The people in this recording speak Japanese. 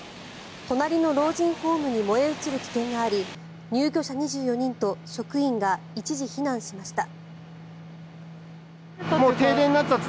隣の老人ホームに燃え移る危険があり入居者２４人と職員が一時避難しました。